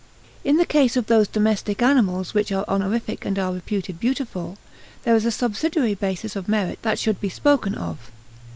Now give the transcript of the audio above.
In the case of those domestic animals which are honorific and are reputed beautiful, there is a subsidiary basis of merit that should be spokes of.